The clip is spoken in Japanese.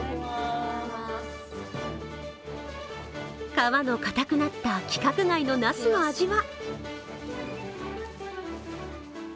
皮の硬くなった規格外のなすの味は？